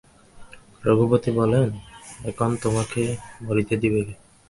রঘুপতি বলেন, এখন তোমাকে মরিতে দিবে কে?